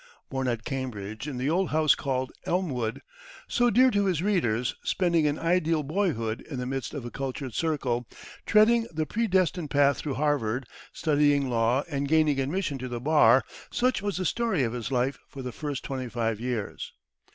Born at Cambridge, in the old house called "Elmwood," so dear to his readers, spending an ideal boyhood in the midst of a cultured circle, treading the predestined path through Harvard, studying law and gaining admission to the bar such was the story of his life for the first twenty five years.